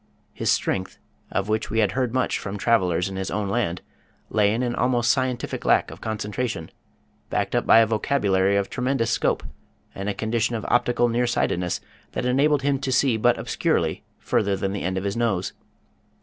His strength, of which we had heard much from travelers in his own land, lay in an almost scientific lack of concentration, backed up by a vocabulary of tremendous scope, and a condition of optical near sightedness that enabled him to see but obscurely further than the end of his nose.